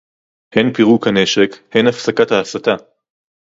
הן פירוק הנשק, הן הפסקת ההסתה